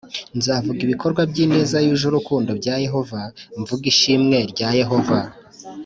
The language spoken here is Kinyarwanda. Nzavuga ibikorwa by ineza yuje urukundo bya Yehova mvuge ishimwe rya Yehova